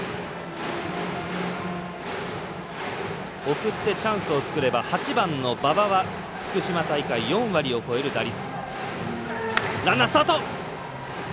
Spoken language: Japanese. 送ってチャンスを作れば８番の馬場は福島大会４割を超える打率。